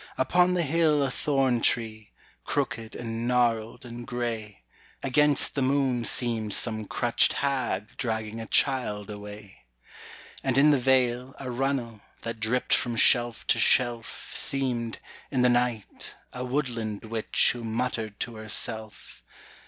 Upon the hill a thorn tree, Crooked and gnarled and gray, Against the moon seemed some crutch'd hag Dragging a child away. And in the vale a runnel, That dripped from shelf to shelf, Seemed, in the night, a woodland witch Who muttered to herself.